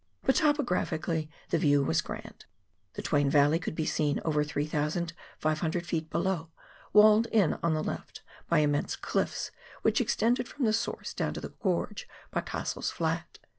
But, topographically, the view was grand. The Twain Yalley could be seen over 3,500 ft. below, walled in on the left by immense cliffs which extended from the source down to the gorge by Cassell's Flat.